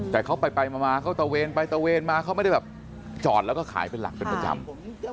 แต่เขาไปมาเขาตะเวนไปตะเวนมาเขาไม่ได้แบบจอดแล้วก็ขายเป็นหลักเป็นประจำ